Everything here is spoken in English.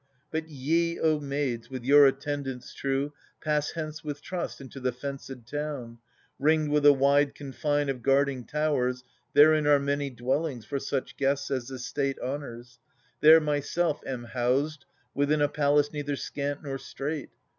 But ye, O maids, with your attendants true. Pass hence with trust into the fenced town, Ringed with a wide confine of guarding towers. Therein are many dwellings for such guests As the State honours ; there myself am housed Within a palace neither scant nor strait.